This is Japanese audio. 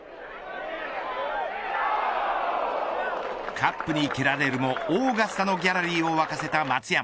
カップに蹴られるもオーガスタのギャラリーを沸かせた松山。